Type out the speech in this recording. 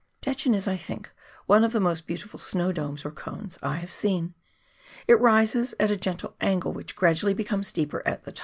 Dechen is, I think, one of the most beautiful snow domes, or cones, I have seen. It rises at a gentle angle which gradually becomes steeper at the LANDSBOROUGH RIVER.